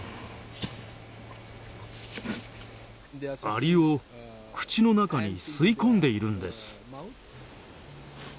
アリを口の中に吸い込んでいるんです。